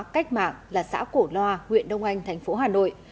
cách mạng là xã cổ loa huyện đông anh thành phố hà nội